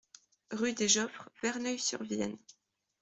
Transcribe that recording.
Rue des Geoffres, Verneuil-sur-Vienne